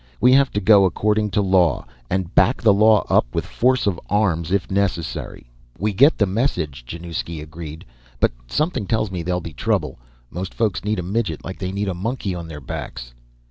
We have to go according to law. And back the law up with force of arms if necessary." "We get the message," Januzki agreed. "But something tells me there'll be trouble. Most folks need a midget like they need a monkey on their backs."